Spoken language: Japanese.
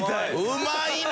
うまいな！